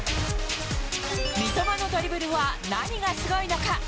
三笘のドリブルは何がすごいのか。